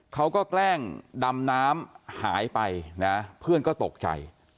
เขาก็แกล้งดำน้ำหายไปเพื่อนก็ตกใจ